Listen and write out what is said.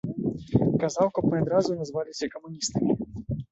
Казаў, каб мы адразу назваліся камуністамі.